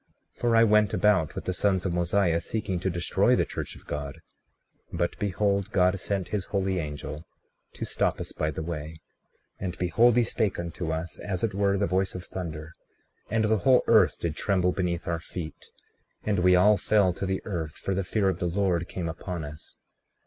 36:6 For I went about with the sons of Mosiah, seeking to destroy the church of God; but behold, God sent his holy angel to stop us by the way. 36:7 And behold, he spake unto us, as it were the voice of thunder, and the whole earth did tremble beneath our feet; and we all fell to the earth, for the fear of the Lord came upon us.